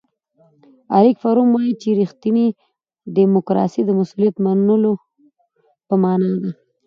اریک فروم وایي چې ریښتینې دیموکراسي د مسؤلیت منلو په مانا ده.